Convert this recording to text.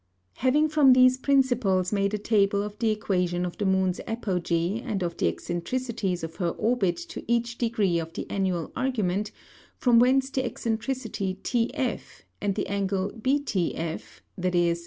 Having from these Principles made a Table of the Equation of the Moon's Apogee, and of the Eccentricities of her Orbit to each degree of the Annual Argument, from whence the Eccentricity TF, and the Angle BTF (_viz.